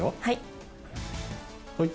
はい。